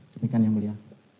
demikian yang mulia